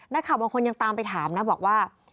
นักข่าวบางคนยังตามไปถามนะบอกว่า